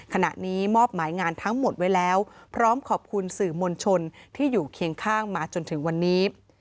ขณะนี้มอบหมายงานทั้งหมดไว้แล้วพร้อมขอบคุณสื่อมวลชนที่อยู่เคียงข้างมาจนถึงวันนี้